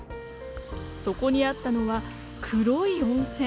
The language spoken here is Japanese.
そこにあったのは黒い温泉